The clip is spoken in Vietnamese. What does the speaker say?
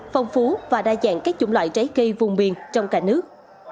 phong phú và đa dạng các chủng loại trái cây vùng miền trong cả nước